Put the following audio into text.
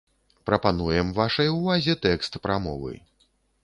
Прапануем вашай увазе тэкст прамовы.